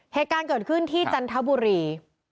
เหตุการณ์เกิดขึ้นที่จันทบุรี